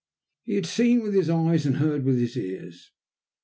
He had seen with his eyes and heard with his ears.